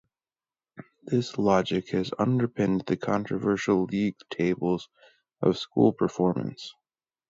This logic has underpinned the controversial league tables of school performance.